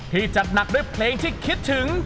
ที่จัดหนักด้วยเพลงที่คิดถึง